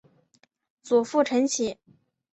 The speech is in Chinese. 祖父陈启。